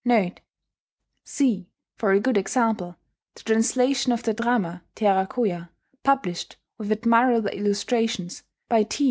* [*See, for a good example, the translation of the drama Terakoya, published, with admirable illustrations, by T.